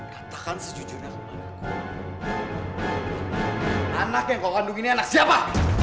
katakan sejujurnya anak yang kau kandung ini anak siapa